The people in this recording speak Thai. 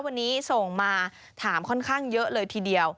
วันนี้ส่งมาถามค่อนข้างเยอะเลยทีเดียว